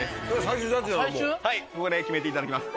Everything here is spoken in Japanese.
はいここで決めていただきます。